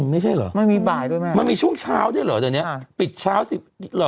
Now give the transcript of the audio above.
ไม่ใช่เหรอไม่มีช่วงเช้าด้วยเหรอตอนนี้ปิดเช้าสิเหรอ